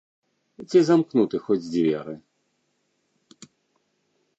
Ці замкнуты хоць дзверы?